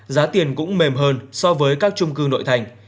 giá tiền cũng mềm hơn so với các trung cư nội thành